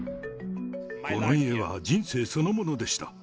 この家は人生そのものでした。